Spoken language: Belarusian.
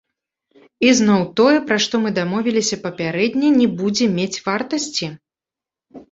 Ізноў тое, пра што мы дамовіліся папярэдне, не будзе мець вартасці?